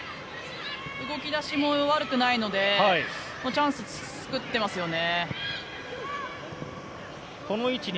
動き出しも悪くないのでチャンス作ってますよね。